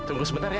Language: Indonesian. tunggu sebentar ya